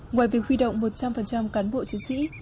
ngoài việc huy động một trăm linh cán bộ chiến sĩ